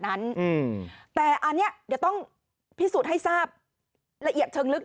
นั้นแต่อันนี้จะต้องพิสูจน์ให้ทราบระเหียดเทิงลึก